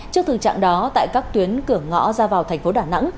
trước thực trạng đó tại các tuyến cửa ngõ ra vào thành phố đà nẵng